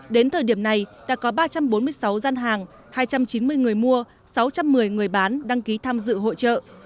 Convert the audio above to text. đến thời điểm này đã có ba trăm bốn mươi sáu gian hàng hai trăm chín mươi người mua sáu trăm một mươi người bán đăng ký tham dự hội trợ